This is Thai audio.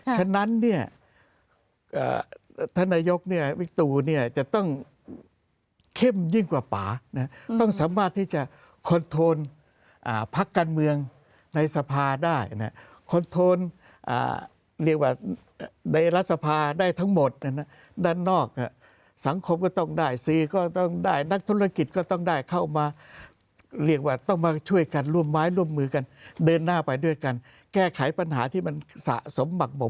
ฉะนั้นเนี่ยท่านนายกเนี่ยวิกตูเนี่ยจะต้องเข้มยิ่งกว่าป่านะต้องสามารถที่จะคอนโทรลพักการเมืองในสภาได้นะคอนโทนเรียกว่าในรัฐสภาได้ทั้งหมดด้านนอกสังคมก็ต้องได้ซีก็ต้องได้นักธุรกิจก็ต้องได้เข้ามาเรียกว่าต้องมาช่วยกันร่วมไม้ร่วมมือกันเดินหน้าไปด้วยกันแก้ไขปัญหาที่มันสะสมหมักหมด